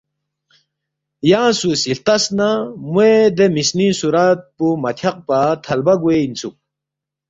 “ ینگ سُو سی ہلتس نہ موے دے مِسنِنگ صُورت پو مہ تھیاقپا تھلبہ گوے اِنسُوک